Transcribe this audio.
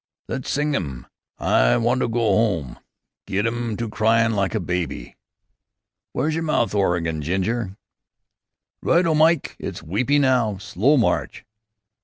"Less sing 'im, 'I want to go 'ome.' Get 'im to cryin' like a baby." "W'ere's yer mouth organ, Ginger?" "Right O! Myke it weepy now! Slow march!"